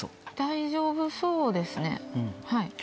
大丈夫そうですね